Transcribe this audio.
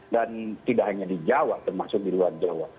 dan tidak hanya di jawa termasuk di luar jawa